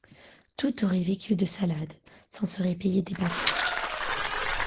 Toutes auraient vécu de salade, s'en seraient payé des baquets.